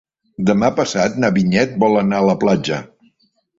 Demà passat na Vinyet vol anar a la platja.